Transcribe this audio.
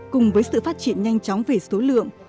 cùng với sự phát triển nhanh chóng về số lượng